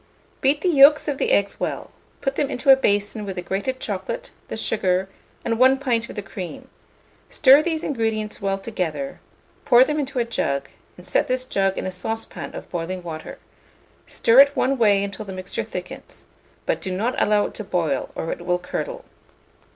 Beat the yolks of the eggs well; put them into a basin with the grated chocolate, the sugar, and 1 pint of the cream; stir these ingredients well together, pour them into a jug, and set this jug in a saucepan of boiling water; stir it one way until the mixture thickens, but do not allow it to boil, or it will curdle.